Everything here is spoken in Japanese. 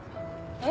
えっ？